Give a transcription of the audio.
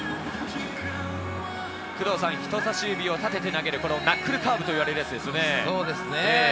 人差し指を立てて投げるナックルカーブとそうですね。